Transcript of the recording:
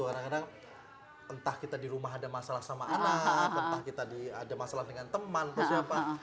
kadang kadang entah kita di rumah ada masalah sama anak entah kita ada masalah dengan teman atau siapa